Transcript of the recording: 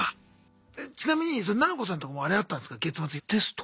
えちなみにななこさんとこもあれあったんすか月末テスト。